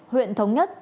huyện thống nhất